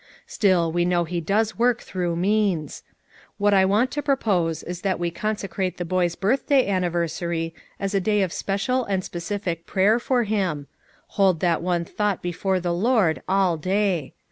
Still, we know he does work through means. What I want to pro pose is that we consecrate the boy's birthday anniversary as a day of special and specific prayer for him; hold that one thought before the Lord all day.